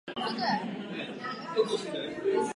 Po studiích vyučoval na moravských gymnáziích.